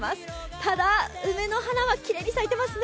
梅の花はきれいに咲いていますね。